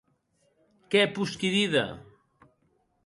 Qué posqui díder?